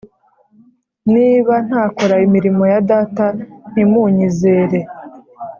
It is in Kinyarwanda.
Niba ntakora imirimo ya data ntimunyizere